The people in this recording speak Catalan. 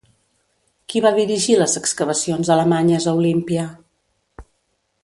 Qui va dirigir les excavacions alemanyes a Olímpia?